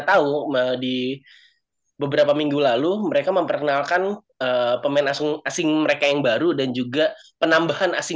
tahu di beberapa minggu lalu mereka memperkenalkan pemain asing asing mereka yang baru dan juga penambahan asing